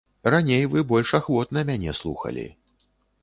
Раней вы больш ахвотна мяне слухалі.